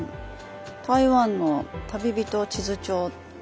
台湾の「旅人地図帳」。